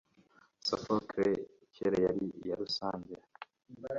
Sophocle kera yari iyarusange